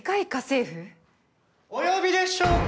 お呼びでしょうか？